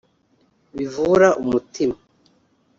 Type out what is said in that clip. bivura umutima